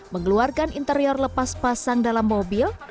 mengeluarkan interior lepas pasang dalam mobil